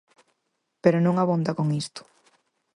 Pero non abonda con isto.